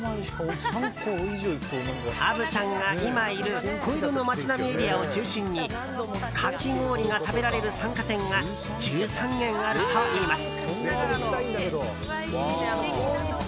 虻ちゃんが今いる小江戸の街並みエリアを中心にかき氷が食べられる参加店が１３軒あるといいます。